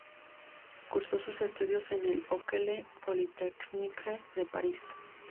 Cursó sus estudios en la École polytechnique de París.